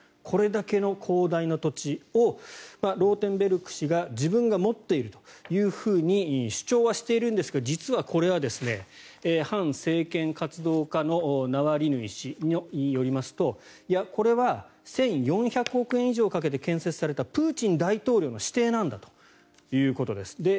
これだけの広大な土地をローテンベルク氏が自分が持っていると主張はしているんですが実はこれは反政権活動家のナワリヌイ氏によりますといや、これは１４００億円以上かけて建設されたプーチン大統領の私邸なんだということです。